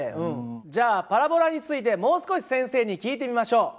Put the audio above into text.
じゃあパラボラについてもう少し先生に聞いてみましょう。